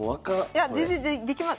いや全然できます。